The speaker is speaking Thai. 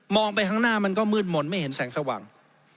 ไปข้างหน้ามันก็มืดมนต์ไม่เห็นแสงสว่าง